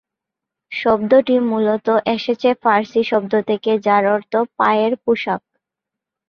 শব্দটি মূলত এসেছে ফার্সি শব্দ থেকে, যার অর্থ ‘পায়ের পোশাক’।